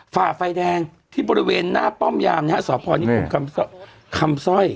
ฝ่าไฟแดงที่บริเวณหน้าป้อมยามนี่ฮะสอบพรณ์นี้คือคำซ่อย